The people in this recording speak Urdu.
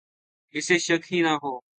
اسے شک ہی نہ ہو